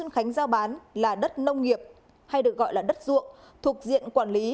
khánh giao bán là đất nông nghiệp hay được gọi là đất ruộng thuộc diện quản lý